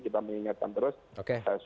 kita mengingatkan terus